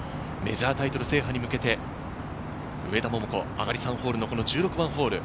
メジャータイトル制覇に向けて上田桃子、上がり３ホールの１６番ホール。